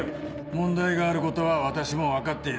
問題があることは私も分かっている。